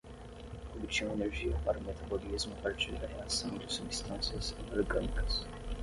Obtinham energia para o metabolismo a partir da reação de substâncias inorgânicas